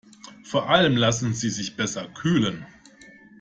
Vor allem lassen sie sich besser kühlen.